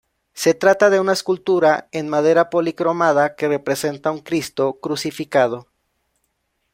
Se trata de una escultura en madera policromada que representa un cristo crucificado.